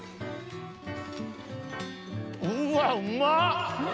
うわうまっ！